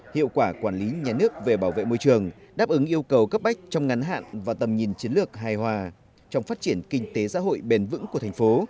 hiệu quả quản lý nhà nước về bảo vệ môi trường đáp ứng yêu cầu cấp bách trong ngắn hạn và tầm nhìn chiến lược hài hòa trong phát triển kinh tế xã hội bền vững của thành phố